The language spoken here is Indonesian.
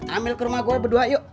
ambil ke rumah gue berdua yuk